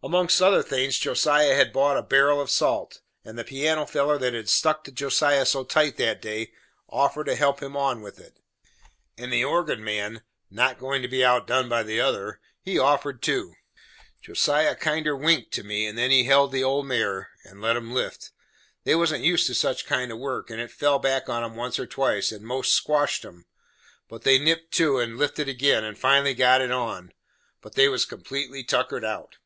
Amongst other things, Josiah had bought a barrel of salt, and the piano feller that had stuck to Josiah so tight that day, offered to help him on with it. And the organ man not goin' to be outdone by the other he offered too. Josiah kinder winked to me, and then he held the old mare, and let 'em lift. They wasn't used to such kind of work, and it fell back on 'em once or twice, and most squashed 'em; but they nipped to, and lifted again, and finally got it on; but they was completely tuckered out.